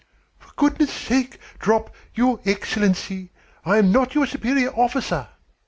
"For goodness' sake, drop 'your Excellency.' I am not your superior officer."